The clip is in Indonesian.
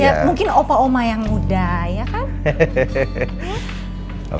ya mungkin opa oma yang muda ya kan